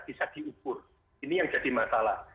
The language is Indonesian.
bisa diukur ini yang jadi masalah